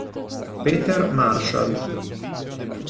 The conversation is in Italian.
Peter Marshall